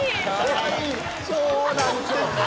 そうなんです。